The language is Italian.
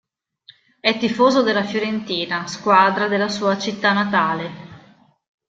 È tifoso della Fiorentina, squadra della sua città natale.